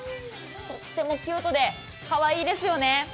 とてもキュートでかわいいですよね。